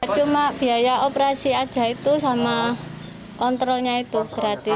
cuma biaya operasi aja itu sama kontrolnya itu gratis